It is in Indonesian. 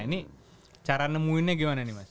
ini cara nemuinnya gimana nih mas